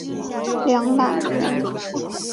梁览人。